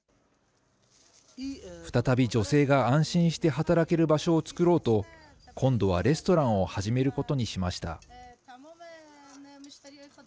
再び女性が安心して働ける場所を作ろうと、今度はレストランを始めることにしました。